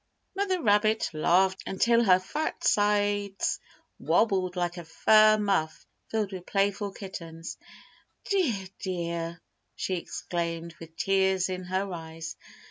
Mother rabbit laughed until her fat sides wobbled like a fur muff filled with playful kittens. "Dear, dear," she exclaimed, with tears in her eyes.